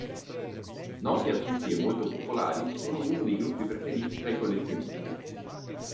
Noti a tutti e molto popolari, sono uno dei gruppi preferiti tra i collezionisti.